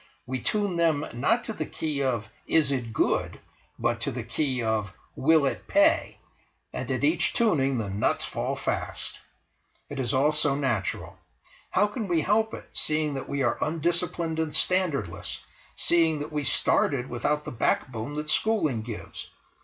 We tune them, not to the key of: "Is it good?" but to the key of: "Will it pay?" and at each tuning the nuts fall fast! It is all so natural. How can we help it, seeing that we are undisciplined and standardless, seeing that we started without the backbone that schooling gives?